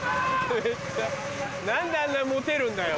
何であんなモテるんだよ。